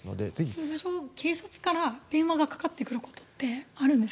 通常、警察から電話がかかってくることってあるんですか？